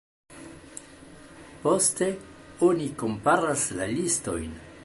Poste oni komparas la listojn.